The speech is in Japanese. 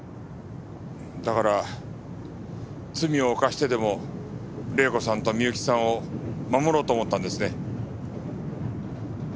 だから罪を犯してでも玲子さんと美由紀さんを守ろうと思ったんですね。